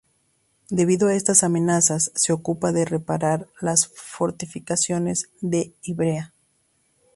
Debido a estas amenazas se ocupa de reparar las fortificaciones de Ivrea.